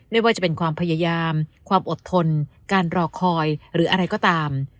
ไม่ว่าจะเป็นความพยายามความอดทนการรอคอยหรืออะไรก็ตาม